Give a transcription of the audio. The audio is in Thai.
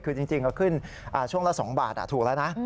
คือจริงก็ขึ้นช่วงละ๒บาทถูกแล้วนะ